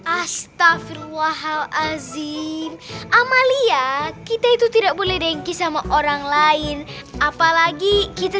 astaghfirullahaladzim amalia kita itu tidak boleh dengki sama orang lain apalagi kita